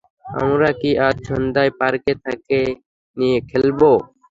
আমরা কি আজ সন্ধ্যায় পার্কে তাকে নিয়ে খেলব?